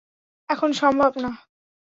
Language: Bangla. এখন সম্ভব না।